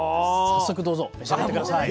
早速どうぞ召し上がって下さい。